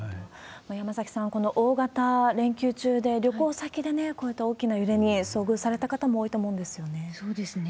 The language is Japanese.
山崎さん、この大型連休中で、旅行先でこういった大きな揺れに遭遇された方も多いと思うんですそうですね。